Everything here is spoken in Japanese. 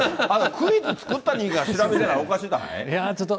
クイズ作った人間が調べてないっておかしない？